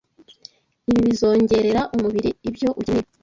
Ibi bizongerera umubiri ibyo ukeneye.